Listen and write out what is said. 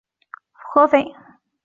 安徽合肥人。